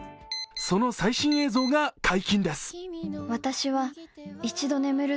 その最新映像が解禁です。